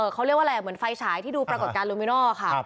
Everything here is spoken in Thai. เขาเรียกว่าอะไรเหมือนไฟฉายที่ดูปรากฏการณโลมินอลค่ะ